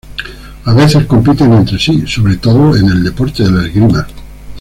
A veces compiten entre sí, sobre todo en el deporte de la esgrima.